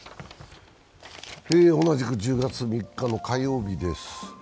同じく１０月３日の火曜日です。